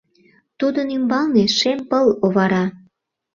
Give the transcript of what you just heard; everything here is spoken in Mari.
Тудын ӱмбалне шем пыл овара